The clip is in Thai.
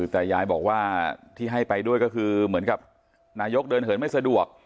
แต่ยายบอกว่าที่ให้ไปด้วยก็คือเหมือนกับนายกเดินเหินไม่สะดวก